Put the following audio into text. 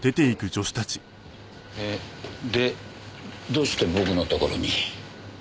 でどうして僕のところに？